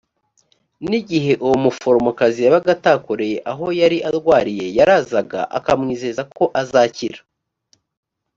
ni igihe uwo muforomokazi yabaga atakoreye aho yari arwariye yarazaga akamwizeza ko azakira